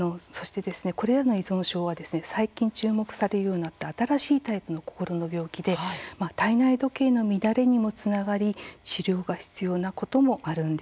これらの依存症は最近注目されるようになった新しいタイプの心の病気で体内時計の乱れにもつながり治療が必要なこともあるんです。